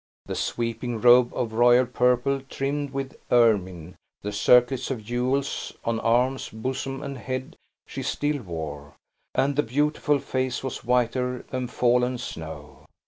The sweeping robe of royal purple, trimmed with ermine, the circlets of jewels on arms, bosom, and head, she still wore, and the beautiful face was whiter than fallen snow.